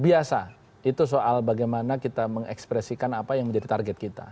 biasa itu soal bagaimana kita mengekspresikan apa yang menjadi target kita